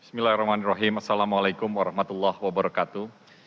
bismillahirrahmanirrahim assalamu'alaikum warahmatullahi wabarakatuh